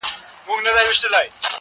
مرګي زده کړی بل نوی چم دی،